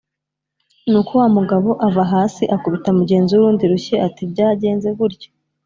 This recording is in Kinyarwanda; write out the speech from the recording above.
ni uko wa mugabo ava hasi akubita mugenzi we urundi rushyi ati byagenze gutya